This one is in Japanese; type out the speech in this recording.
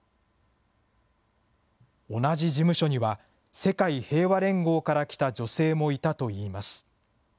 同じ事務所には、世界平和連合から来た女性もいたといいます。